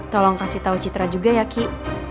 tolong kasih tahu citra juga ya ki